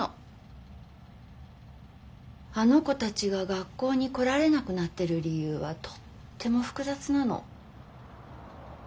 あの子たちが学校に来られなくなってる理由はとっても複雑なの。